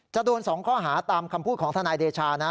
โดน๒ข้อหาตามคำพูดของทนายเดชานะ